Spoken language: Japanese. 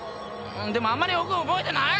でもあまりよく覚えてなーい。